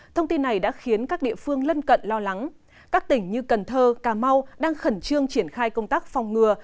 thông tin này đã khiến các địa phương lân cận lo lắng các tỉnh như cần thơ cà mau đang khẩn trương triển khai công tác phòng ngừa